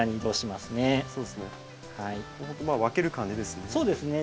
まあ分ける感じですね。